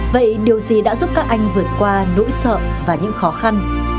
vậy điều gì đã giúp các anh vượt qua nỗi sợ và những khó khăn